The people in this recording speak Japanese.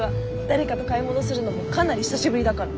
誰かと買い物するのもかなり久しぶりだから。